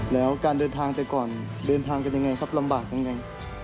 แล้วการเดินทางแต่ก่อนเดินทางกันยังไงครับลำบากยังไง